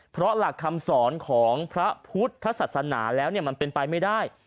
เพราะหลักคำสอนของพระพุทธศาสนาแล้วมันเป็นไปไม่ได้